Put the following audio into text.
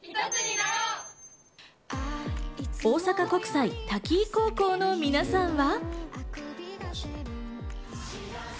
大阪国際滝井高校の皆さんは。